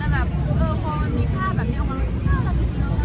แต่แบบเออพอมันมีภาพแบบนี้เอามาฝากภาพละ